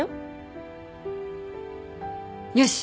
よし。